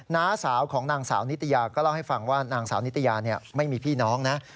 น้าสาวของนางสาวนิตยาก็เล่าให้ฟังว่านางสาวนิตยาไม่มีพี่น้องนะ